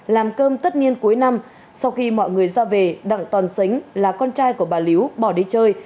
làm cơm tất niên cuối năm sau khi mọi người ra về đặng toàn sánh là con trai của bà liếu bỏ đi chơi